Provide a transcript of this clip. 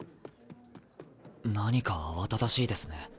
何か慌ただしいですね。